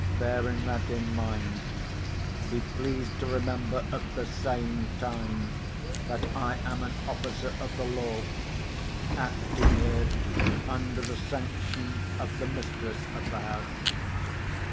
Bearing that in mind, be pleased to remember, at the same time, that I am an officer of the law acting here under the sanction of the mistress of the house.